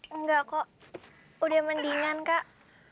enggak kok udah mendingan kak